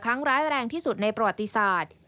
ครั้งร้ายแรงที่สุดในประวัติศาสตร์